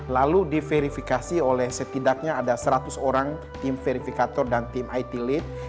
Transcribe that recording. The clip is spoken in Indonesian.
lalu diverifikasi oleh setidaknya ada seratus orang tim verifikator dan tim it lead